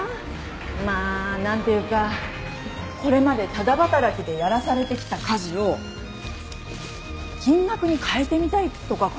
まあ何ていうかこれまでタダ働きでやらされてきた家事を金額に換えてみたいとかかな。